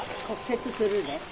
骨折するで。